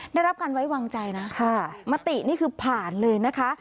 ได้รับการไว้วางใจนะค่ะมตินี่คือผ่านเลยนะคะ